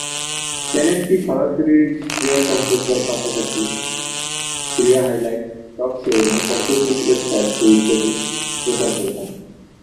চ্যানেলটি সরাসরি ক্রীড়া সম্প্রচার পাশাপাশি, ক্রীড়া হাইলাইট, টক শো এবং তথ্যচিত্র স্টাইল শো ইত্যাদি প্রচার করে থাকে।